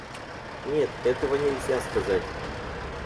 Нет, этого нельзя сказать.